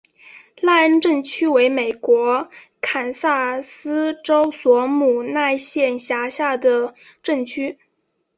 赖恩镇区为美国堪萨斯州索姆奈县辖下的镇区。